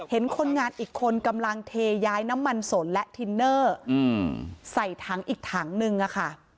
คนงานอีกคนกำลังเทย้ายน้ำมันสนและทินเนอร์ใส่ถังอีกถังนึงอะค่ะ